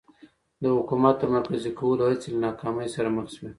د حکومت د مرکزي کولو هڅې له ناکامۍ سره مخ شوې.